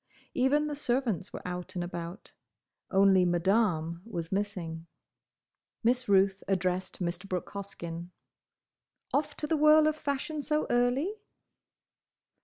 Even the servants were out and about; only Madame was missing. Miss Ruth addressed Mr. Brooke Hoskyn. "Off to the whirl of fashion so early?"